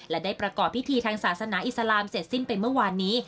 และได้ประกอบพิธีทางศาสนาอิสลามเสร็จสิ้นไปเมื่อวานนี้